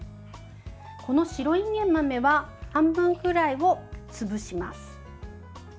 この白いんげん豆は半分くらいを潰します。